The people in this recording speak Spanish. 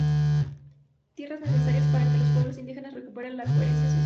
Tierras necesarias para que los pueblos indígenas recuperen la coherencia social".